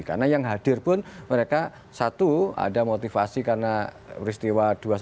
karena yang hadir pun mereka satu ada motivasi karena peristiwa dua puluh satu